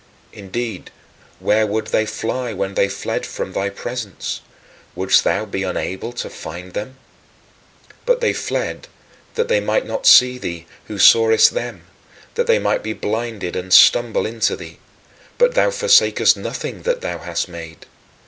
Indeed, where would they fly when they fled from thy presence? Wouldst thou be unable to find them? But they fled that they might not see thee, who sawest them; that they might be blinded and stumble into thee. But thou forsakest nothing that thou hast made.